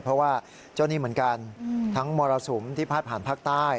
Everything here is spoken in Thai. เพราะว่าเจ้านี่เหมือนกันทั้งมรสุมที่พาดผ่านภาคใต้